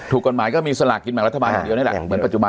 กฎหมายก็มีสลากกินแบ่งรัฐบาลอย่างเดียวนี่แหละเหมือนปัจจุบัน